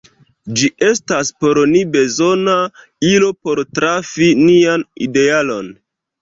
Ĝi estas por ni bezona ilo por trafi nian idealon.